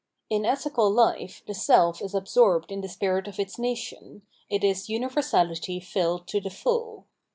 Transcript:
In ethical hfe the self is absorbed in the spirit of its nation, it is umversahty filled to the full.